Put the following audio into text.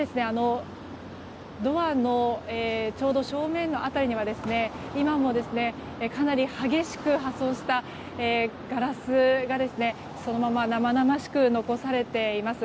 ドアのちょうど正面の辺りには今もかなり激しく破損したガラスがそのまま生々しく残されています。